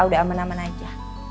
udah aman aman aja